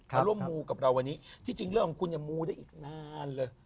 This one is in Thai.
มาร่วมมูกับเราวันนี้ที่จริงเรื่องของคุณเนี่ยมูได้อีกนานเลย